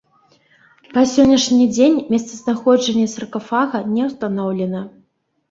Па сённяшні дзень месцазнаходжанне саркафага не ўстаноўлена.